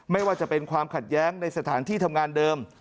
ไม่ว่าจะเป็นความขัดแย้งในสถานที่ทำงานเดิม